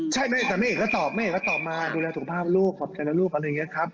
ใช่แม่แต่แม่เอ๊ะก็ตอบแม่เอ๊ะก็ตอบมาดูแลถูกภาพลูกขอบใจแล้วลูกอะไรอย่างเงี้ยครับ